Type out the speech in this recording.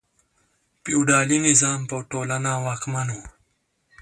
فیوډالي نظام په ټولنه واکمن و.